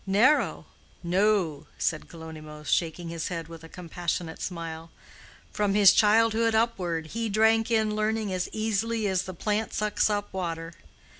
"Narrow? no," said Kalonymos, shaking his head with a compassionate smile "From his childhood upward, he drank in learning as easily as the plant sucks up water.